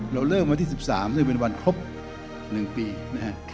เราเริ่มมาที่๑๓ซึ่งเป็นวันครบหนึ่งปีนะครับ